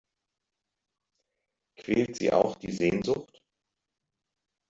Quält Sie auch die Sehnsucht?